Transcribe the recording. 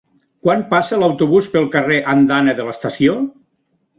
Quan passa l'autobús pel carrer Andana de l'Estació?